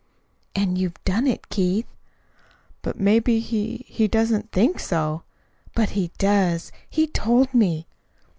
"And you've done it, Keith." "But maybe he he doesn't think so." "But he does. He told me."